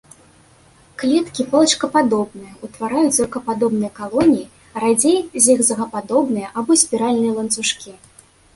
Клеткі палачкападобныя, утвараюць зоркападобныя калоніі, радзей зігзагападобныя або спіральныя ланцужкі.